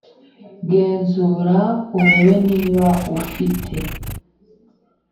genzura urebe niba ufite